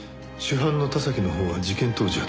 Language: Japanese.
主犯の田崎のほうは事件当時二十歳。